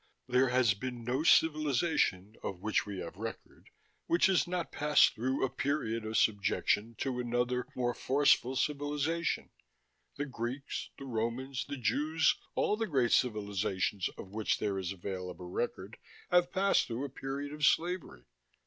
There has been no civilization of which we have record which has not passed through a period of subjection to another, more forceful civilization: the Greeks, the Romans, the Jews, all the great civilizations of which there is available record have passed through a period of slavery.